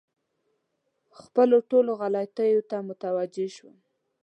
خپلو ټولو غلطیو ته متوجه شوم.